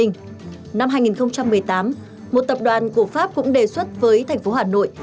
năm hai nghìn một mươi tám một tập đoàn của pháp cũng đề xuất với tp hà nội